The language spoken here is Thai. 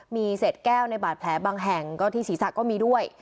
มีเศษแก้วในบาดแผลบางแห่งก็ที่ศีรษะก็มีด้วย